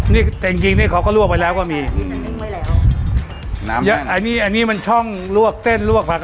นี่จริงจริงเนี้ยเขาก็ลวกไปแล้วก็มีน้ำอันนี้อันนี้มันช่องลวกเส้นลวกผัก